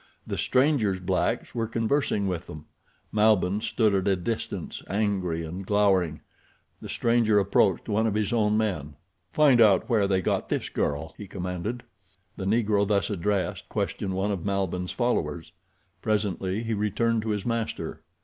The stranger's blacks were conversing with them. Malbihn stood at a distance, angry and glowering. The stranger approached one of his own men. "Find out where they got this girl," he commanded. The Negro thus addressed questioned one of Malbihn's followers. Presently he returned to his master.